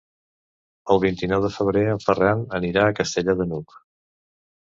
El vint-i-nou de febrer en Ferran anirà a Castellar de n'Hug.